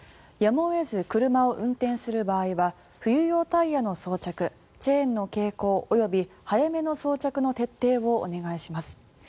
やむを得ず車を運転する場合は冬用タイヤの装着チェーンの携行及び早めの装着の徹底をお願いします。